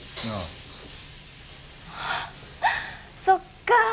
そっか。